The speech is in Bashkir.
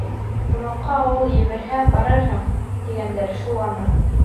— Ҡунаҡҡа ауыл ебәрһә барырһың, тигәндәре шул ана.